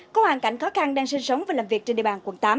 có hoàn cảnh khó khăn đang sinh sống và làm việc trên địa bàn quận tám